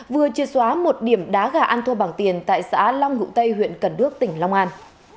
vừa chia xóa một điểm đá gà ăn thua bằng tiền tại xã long hữu tây huyện cần đước tỉnh long an